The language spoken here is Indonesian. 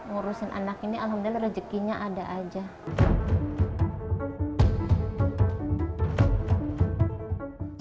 ngurusin anak ini alhamdulillah rezekinya ada aja